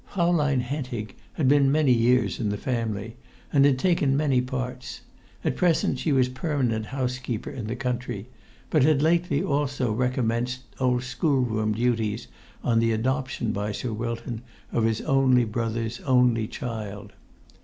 Fraulein Hentig had been many years in the family, and had taken many parts; at present she was permanent housekeeper in the country, but had lately also recommenced old schoolroom duties on the adoption by Sir Wilton of his only brother's only child.